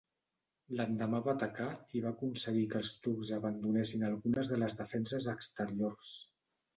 L'endemà va atacar i va aconseguir que els turcs abandonessin algunes de les defenses exteriors.